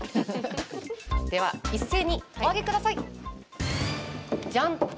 では一斉にお上げください。じゃん！